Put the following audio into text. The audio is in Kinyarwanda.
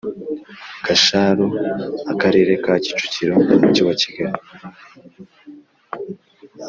Gasharu ll akarere ka kicukiro umujyi wa kigali